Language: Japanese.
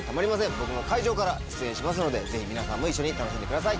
僕も会場から出演しますのでぜひ皆さんも楽しんでください。